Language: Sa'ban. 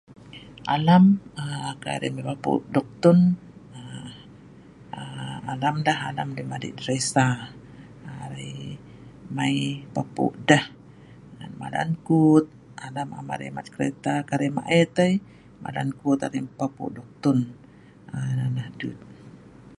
Alam kai arai mai papu duktun, alam deh madei dresa.arai mai papu deh ngan malan kut, alam arai mat kereta, kai arai maet ai malan kut arai mai papu duktun. Nonoh dut